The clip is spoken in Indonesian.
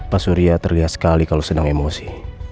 pak surya tergeliat sekali kalau sedang emosi